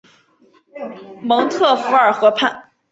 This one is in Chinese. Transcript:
蒙特福尔河畔伊勒维尔。